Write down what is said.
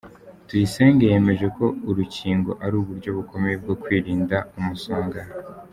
Tuyisenge yemeza ko urukingo ari uburyo bukomeye bwo kwirinda umusonga.